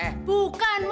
disini cukup mewah